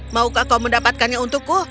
maukah kau mendapatkannya untukku